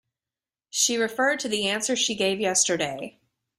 She referred to the answer she gave yesterday.